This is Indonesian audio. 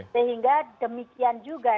sehingga demikian juga